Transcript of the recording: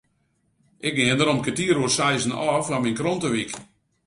Ik gean der om kertier oer seizen ôf foar myn krantewyk.